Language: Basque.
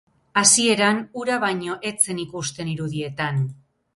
Hasieran, ura baino ez zen ikusten irudietan.